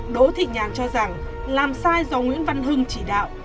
đỗ thị nhàn cho rằng làm sai do nguyễn văn hưng chỉ đạo